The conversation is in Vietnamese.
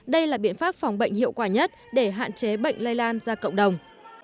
đây là biện pháp phòng bệnh hiệu quả nhất để hạn chế bệnh lây lan ra cộng đồng